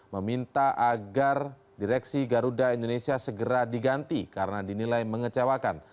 meminta agar direksi garuda indonesia segera diganti karena dinilai mengecewakan